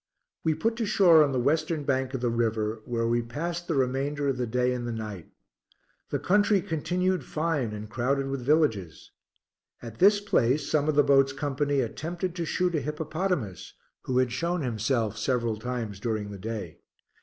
We put to shore on the western bank of the river, where we passed the remainder of the day and the night. The country continued fine and crowded with villages. At this place, some of the boat's company attempted to shoot a hippopotamus, who had shown himself several times during the day.